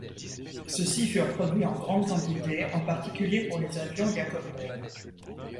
Ceux-ci furent produits en grandes quantités, en particulier pour les avions Yakovlev.